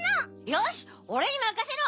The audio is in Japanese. よしオレにまかせろ！